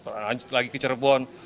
lanjut lagi ke cirebon